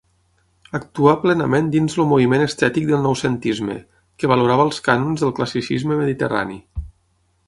Actuà plenament dins el moviment estètic del Noucentisme, que valorava els cànons del classicisme mediterrani.